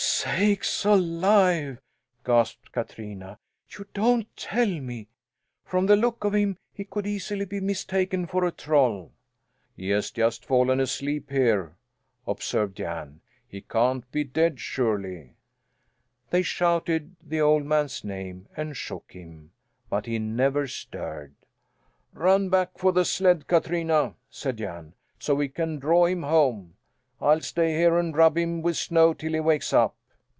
"Sakes alive!" gasped Katrina. "You don't tell me! From the look of him he could easily be mistaken for a troll." "He has just fallen asleep here," observed Jan. "He can't be dead, surely!" They shouted the old man's name and shook him; but he never stirred. "Run back for the sled, Katrina," said Jan, "so we can draw him home. I'll stay here and rub him with snow till he wakes up."